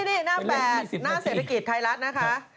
นี่หน้า๘หน้าเศรษฐกิจไทยรัฐนะคะ